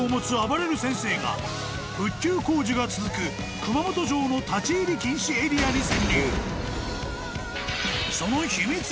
［復旧工事が続く熊本城の立ち入り禁止エリアに潜入］